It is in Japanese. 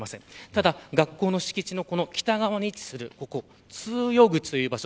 ただ学校の敷地の北側に位置する通用口という場所